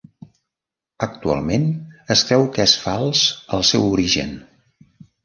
Actualment es creu que és fals el seu origen.